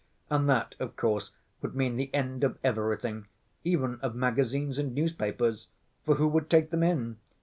And that, of course, would mean the end of everything, even of magazines and newspapers, for who would take them in?